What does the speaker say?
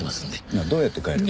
なあどうやって帰る？